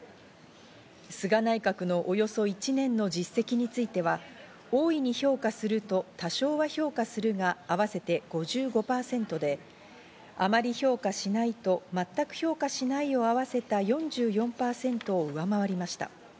菅内閣のおよそ１年の実績については、大いに評価すると多少は評価するが合わせて５５％で、あまり評価しないと、全く評価しないを合わせた４４％を上回りました。